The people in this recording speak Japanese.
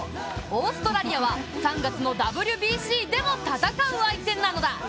オーストラリアは３月のＷＢＣでも戦う相手なのだ。